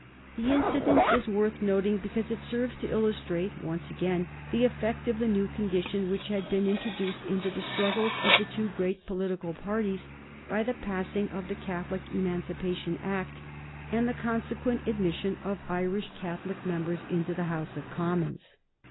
The incident is worth noting because it serves to illustrate, once again, the effect of the new condition which had been introduced into the struggles of the two great political parties by the passing of the Catholic Emancipation Act, and the consequent admission of Irish Catholic members into the House of Commons.